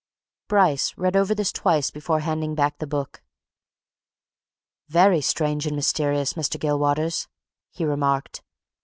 Bryce read this over twice before handing back the book. "Very strange and mysterious, Mr. Gilwaters," he remarked.